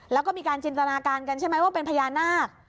แล้วก็มีการจินตนาการกันใช่ไหมว่าเป็นพญานาค